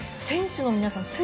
選手の皆さん